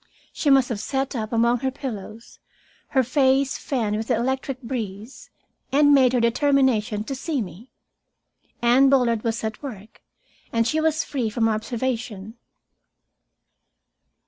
She must have sat up among her pillows, her face fanned with the electric breeze, and made her determination to see me. Anne Bullard was at work, and she was free from observation.